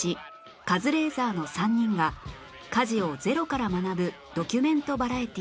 カズレーザーの３人が家事をゼロから学ぶドキュメントバラエティー